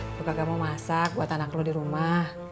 aku kagak mau masak buat anak lo di rumah